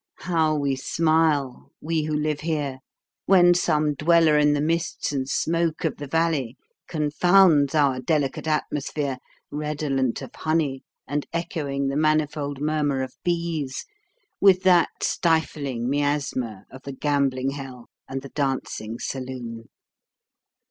How we smile, we who live here, when some dweller in the mists and smoke of the valley confounds our delicate atmosphere, redolent of honey and echoing the manifold murmur of bees, with that stifling miasma of the gambling hell and the dancing saloon!